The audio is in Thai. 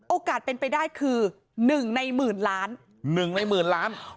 โอกาสเป็นไปได้คือ๑ในหมื่นล้าน